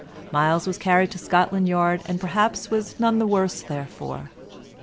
Myles was carried to Scotland Yard, and perhaps was none the worse therefore.